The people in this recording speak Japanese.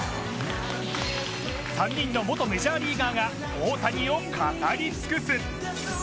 ３人の元メジャーリーガーが大谷を語り尽くす。